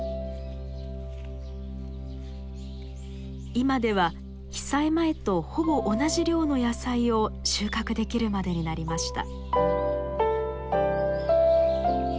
今では被災前とほぼ同じ量の野菜を収穫できるまでになりました。